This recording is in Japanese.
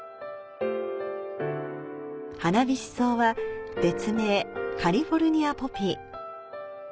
ハナビシソウは別名カリフォルニアポピー。